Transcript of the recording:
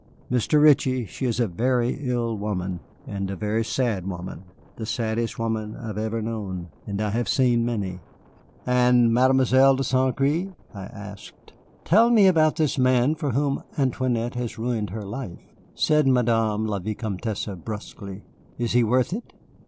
Mr. Ritchie, she is a very ill woman and a very sad woman, the saddest woman I have ever known, and I have seen many." "And Mademoiselle de St. Gré?" I asked. "Tell me about this man for whom Antoinette has ruined her life," said Madame la Vicomtesse, brusquely. "Is he worth it?